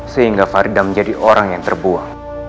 sehingga faridah menjadi orang yang terbuang